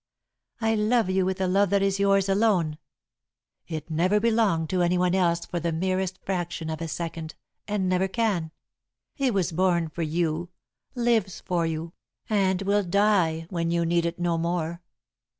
I love you with a love that is yours alone. It never belonged to anybody else for the merest fraction of a second, and never can. It was born for you, lives for you, and will die when you need it no more."